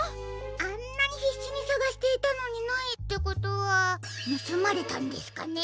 あんなにひっしにさがしていたのにないってことはぬすまれたんですかね？